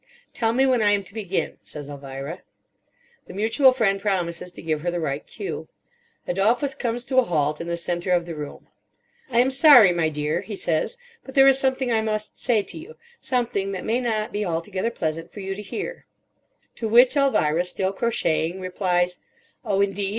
"Tell me when I am to begin," says Elvira. The mutual friend promises to give her the right cue. Adolphus comes to a halt in the centre of the room. "I am sorry, my dear," he says, "but there is something I must say to you—something that may not be altogether pleasant for you to hear." To which Elvira, still crocheting, replies, "Oh, indeed.